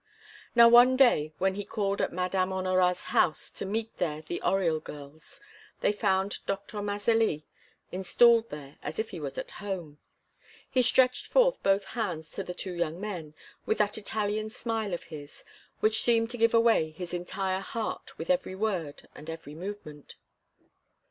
Now, one day, when he called at Madame Honorat's house to meet there the Oriol girls, they found Doctor Mazelli installed there as if he was at home. He stretched forth both hands to the two young men, with that Italian smile of his, which seemed to give away his entire heart with every word and every movement.